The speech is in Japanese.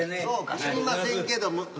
そうか知りませんけども。